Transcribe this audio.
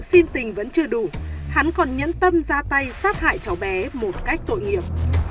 xin tình vẫn chưa đủ hắn còn nhẫn tâm ra tay sát hại cháu bé một cách tội nghiệp